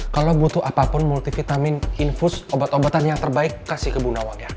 kalau lo butuh apapun multivitamin infus obat obatan yang terbaik kasih ke bunda awang ya